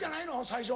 最初。